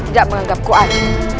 tidak menganggapku adil